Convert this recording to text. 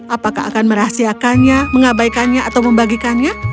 apakah akan merahasiakannya mengabaikannya atau membagikannya